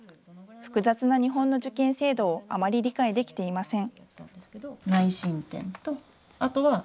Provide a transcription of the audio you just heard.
複雑な日本の受験制度をあまり理解できていません。